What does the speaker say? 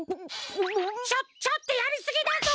ちょちょっとやりすぎだぞ！